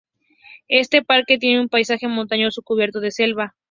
Este parque tiene un paisaje montañoso cubierto de selva.